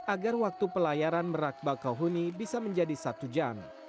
agar waktu pelayaran merak bakau huni bisa menjadi satu jam